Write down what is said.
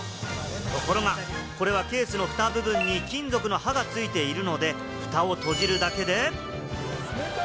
ところが、これはケースの蓋部分に金属の刃が付いているので、ふたを閉じるだけで。